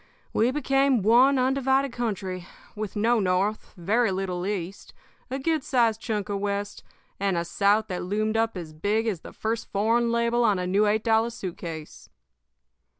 We became one undivided. country, with no North, very little East, a good sized chunk of West, and a South that loomed up as big as the first foreign label on a new eight dollar suit case.